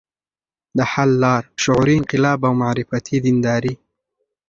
د حل لار: شعوري انقلاب او معرفتي دینداري